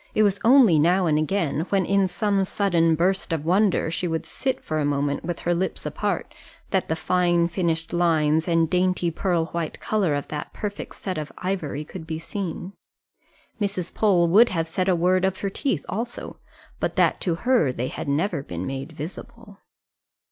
it was only now and again, when in some sudden burst of wonder she would sit for a moment with her lips apart, that the fine finished lines and dainty pearl white colour of that perfect set of ivory could be seen. Mrs. Pole would have said a word of her teeth also, but that to her they had never been made visible.